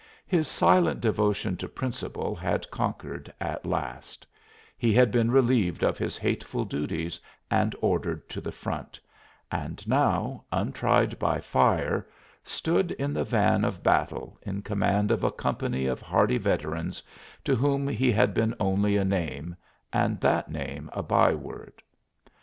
His silent devotion to principle had conquered at last: he had been relieved of his hateful duties and ordered to the front, and now, untried by fire, stood in the van of battle in command of a company of hardy veterans, to whom he had been only a name, and that name a by word.